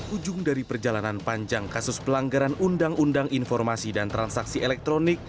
ujung dari perjalanan panjang kasus pelanggaran undang undang informasi dan transaksi elektronik